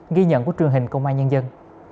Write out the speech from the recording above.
ghi nhận của trường hình công an nhân dân